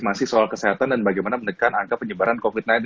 masih soal kesehatan dan bagaimana menekan angka penyebaran covid sembilan belas